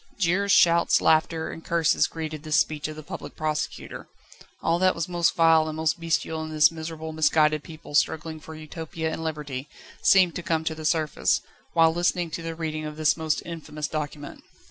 Jeers, shouts, laughter, and curses greeted this speech of the Public Prosecutor. All that was most vile and most bestial in this miserable, misguided people struggling for Utopia and Liberty, seemed to come to the surface, whilst listening to the reading of this most infamous document.